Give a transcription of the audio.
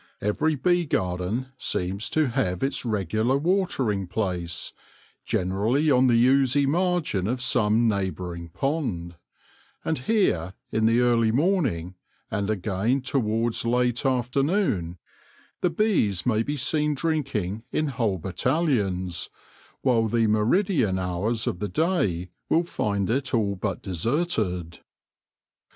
Every bee garden seems to have its regular watering place, generally on the oozy margin of some neigh bouring pond ; and here, in the early morning, and again towards late afternoon, the bees may be seen drinking in whole battalions, while the meridian hours of the day will find it all but deserted.